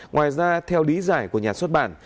ngoài ra theo lý giải của nhà xuất bản